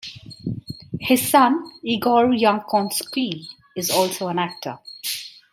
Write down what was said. His son Igor Yankovsky is also an actor.